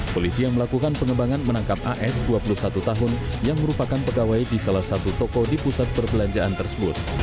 polisi yang melakukan pengembangan menangkap as dua puluh satu tahun yang merupakan pegawai di salah satu toko di pusat perbelanjaan tersebut